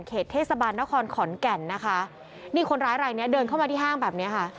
เทศบาลนครขอนแก่นนะคะนี่คนร้ายรายเนี้ยเดินเข้ามาที่ห้างแบบเนี้ยค่ะ